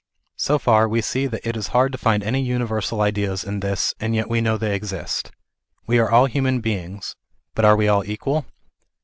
So far we see that it is hard to find any universal ideas in this, and yet we know they exist. We are all human beings, but are we all equal